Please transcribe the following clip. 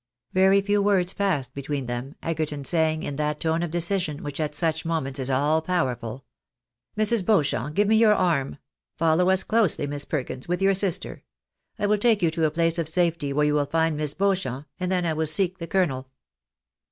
Very few words passed between them, Egerton saying in that tone of decision which at such moments is all powerful —" Mrs. Beauchamp, give me your arm ; follow us closely. Miss Perkins, with your sister. I will take you to a place of safety where you will find Miss Beauchamp, and then I will seek the colonel."